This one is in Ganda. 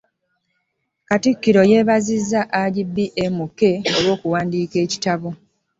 Katikkiro yeebazizza Hajji BMK olw'okuwandiika ekitabo.